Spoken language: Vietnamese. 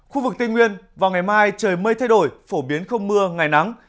khu vực tây nguyên vào ngày mai trời mây thay đổi phổ biến không mưa ngày nắng